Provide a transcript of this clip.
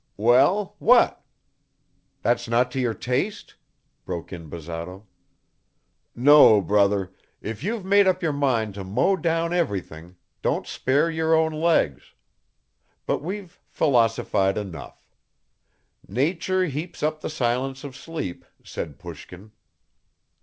"Well? What? That's not to your taste?" broke in Bazarov. "No, brother. If you've made up your mind to mow down everything don't spare your own legs ...! But we've philosophized enough. 'Nature heaps up the silence of sleep,' said Pushkin."